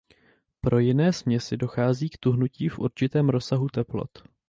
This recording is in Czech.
Pro jiné směsi dochází k tuhnutí v určitém rozsahu teplot.